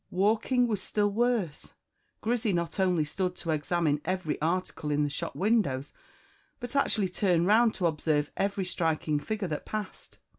_ Walking was still worse. Grizzy not only stood to examine every article in the shop windows, but actually turned round to observe every striking figure that passed.